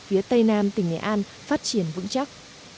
phía tây nam tỉnh nghệ an phát triển vững chắc